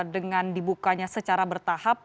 dengan dibukanya secara bertahap